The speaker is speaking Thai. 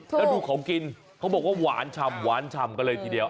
ถ้าดูของกินเขาบอกว่าหวานชำก็เลยทีเดียว